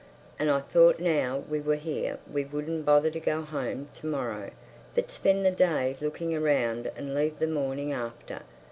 And I thought now we were here we wouldn't bother to go home to morrow, but spend the day looking round and leave the morning after.